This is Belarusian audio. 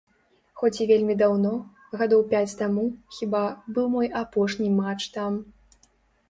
Хоць і вельмі даўно, гадоў пяць таму, хіба, быў мой апошні матч там.